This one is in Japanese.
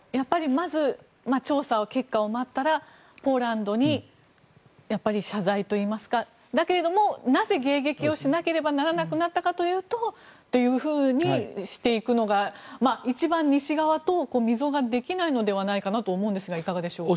まず調査結果を待ったらポーランドに謝罪といいますかだけれどもなぜ迎撃をしなければならなくなったかというとというふうにしていくのが一番、西側と溝ができないのではないかなと思うんですがいかがでしょうか？